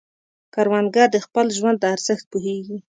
کروندګر د خپل ژوند ارزښت پوهیږي